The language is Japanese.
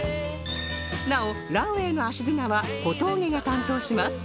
なおランウェイの足砂は小峠が担当します